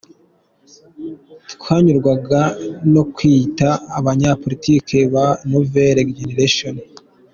Twanyurwaga no kwiyita Abanyapolitiki ba « Nouvelle Generation ».